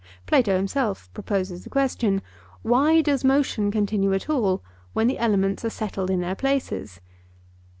Plato himself proposes the question, Why does motion continue at all when the elements are settled in their places?